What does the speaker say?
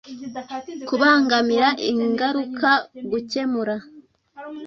kubangamira, ingaruka, gukemura.